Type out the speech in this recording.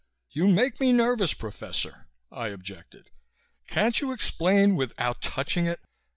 "You make me nervous, Professor," I objected. "Can't you explain without touching it?"